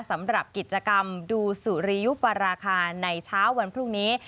สำหรับกิจกรรมดูสุริยุปราคาในเช้าวันพรุ่งนี้